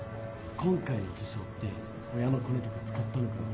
今回の受賞って親のコネとか使ったのかな？